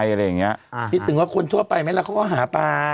อะไรอย่างเงี้ยอ่าคิดถึงว่าคนทั่วไปไหมล่ะเขาก็หาปลา